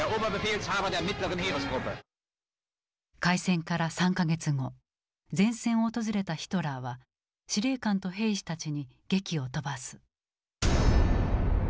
開戦から３か月後前線を訪れたヒトラーは司令官と兵士たちにげきを飛ばす。